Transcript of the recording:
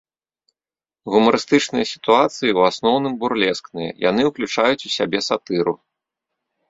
Гумарыстычныя сітуацыі ў асноўным бурлескныя, яны ўключаюць ў сябе сатыру.